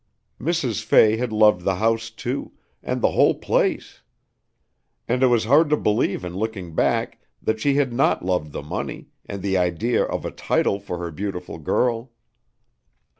Mrs. Fay had loved the house too, and the whole place; and it was hard to believe in looking back, that she had not loved the money, and the idea of a title for her beautiful girl.